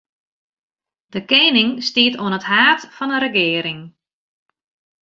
De kening stiet oan it haad fan 'e regearing.